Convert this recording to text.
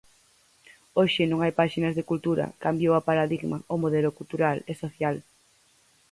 Hoxe non hai páxinas de Cultura, cambiou a paradigma, o modelo cultural e social.